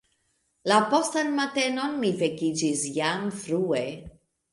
La postan matenon mi vekiĝis jam frue.